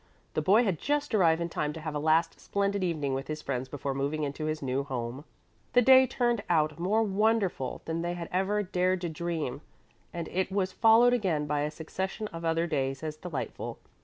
The boy had just arrived in time to have a last splendid evening with his friends before moving into his new home. The next day turned out more wonderful than they had ever dared to dream, and it was followed again by a succession of other days as delightful.